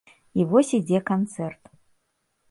І вось ідзе канцэрт.